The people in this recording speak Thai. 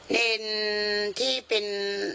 นี่ที่เป็น